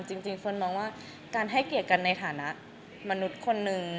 จริงเฟิร์นมองว่าการให้เกียรติกันในฐานะมนุษย์คนนึง